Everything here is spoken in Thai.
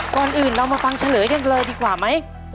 ก่อนอื่นเรามาฟังเฉลยกันเลยดีกว่าไหม